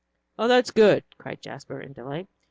"That's good," cried Jasper, in delight.